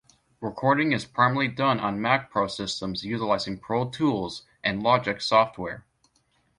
Recording is primarily done on Mac Pro systems utilizing Pro Tools and Logic software.